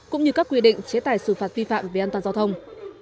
cũng như các quy định chế tải sự phạt vi phạm về an toàn giao thông